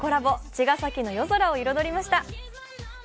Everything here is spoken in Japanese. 茅ヶ崎の夜空を彩りました。